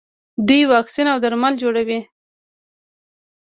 دوی واکسین او درمل جوړوي.